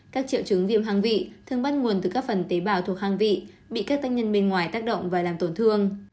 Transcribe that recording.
các triệu chứng viêm hoang vị thường bắt nguồn từ các phần tế bào thuộc hàng vị bị các tác nhân bên ngoài tác động và làm tổn thương